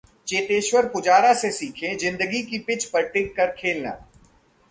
चेतेश्वर पुजारा से सीखें जिंदगी की पिच पर टिक कर खेलना...